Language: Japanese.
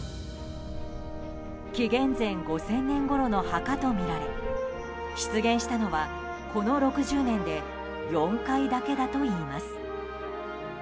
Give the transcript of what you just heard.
紀元前５０００年ごろの墓とみられ出現したのは、この６０年で４回だけだといいます。